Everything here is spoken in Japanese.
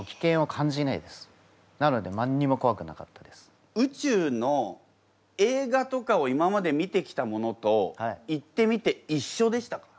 だから宇宙の映画とかを今まで見てきたものと行ってみていっしょでしたか？